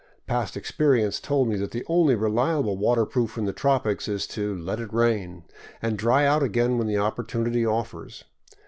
Past experience told me that the only reliable waterproof in the tropics is to let it rain — and dry out again when opportunity offers.